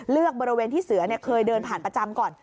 บริเวณที่เสือเคยเดินผ่านประจำก่อน